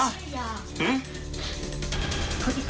หึ